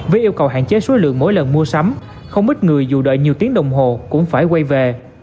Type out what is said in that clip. với yêu cầu hạn chế số lượng mỗi lần mua sắm không ít người dù đợi nhiều tiếng đồng hồ cũng phải quay về